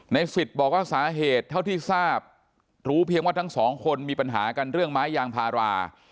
สิทธิ์บอกว่าสาเหตุเท่าที่ทราบรู้เพียงว่าทั้งสองคนมีปัญหากันเรื่องไม้ยางพารา